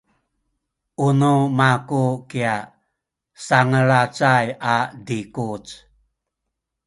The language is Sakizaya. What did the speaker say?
u nu maku kya sanglacay a zikuc.